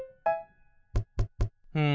うん。